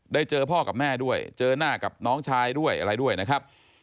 เจอพ่อกับแม่ด้วยเจอหน้ากับน้องชายด้วยอะไรด้วยนะครับ